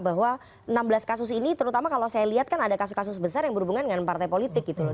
bahwa enam belas kasus ini terutama kalau saya lihat kan ada kasus kasus besar yang berhubungan dengan partai politik gitu loh